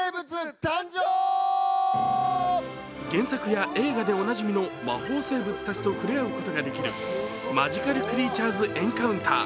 原作や映画でおなじみの魔法生物たちと触れ合うことができるマジカル・クリーチャーズ・エンカウンター